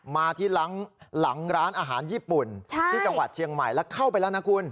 มาที่หลังร้านอาหารญี่ปุ่นที่จังหวัดเชียงใหม่แล้วเข้าไปแล้วนะคุณ